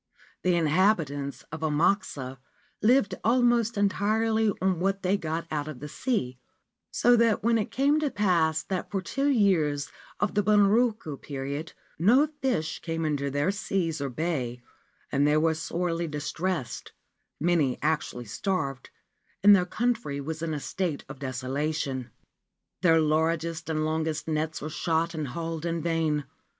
The inhabitants of Amakusa lived almost entirely on what they got out of the sea, so that when it came to pass that for two years of the Bunroku period no fish came into their seas or bay and they were sorely dis tressed, many actually starved, and their country was in a state of desolation. Their largest and longest nets were shot and hauled in vain.